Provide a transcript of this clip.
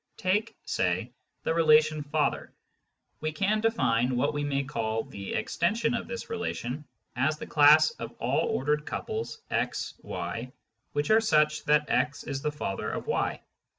Take (say) the relation " father ": we can define what we may call the " extension " of this relation as the class of all ordered couples (x, y) which are such that x is the father of y.